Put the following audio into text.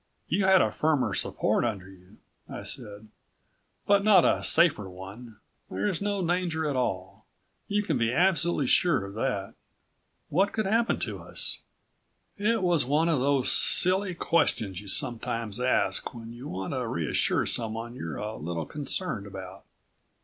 "You had a firmer support under you," I said. "But not a safer one. There's no danger at all. You can be absolutely sure of that. What could happen to us?" It was one of those silly questions you sometimes ask when you want to reassure someone you're a little concerned about.